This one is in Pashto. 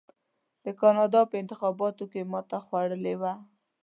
د کاناډا په انتخاباتو کې ماته خوړلې وه.